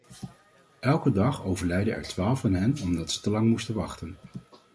Elke dag overlijden er twaalf van hen omdat ze te lang moesten wachten.